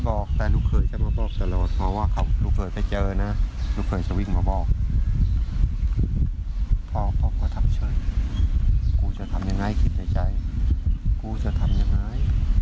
พ่อพ่อก็ทำเชิญกูจะทำยังไงคิดในใจกูจะทำยังไง